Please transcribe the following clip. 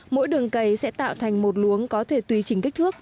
mỗi đường cầy sẽ tạo thành một luống có thể tùy chỉnh kích thước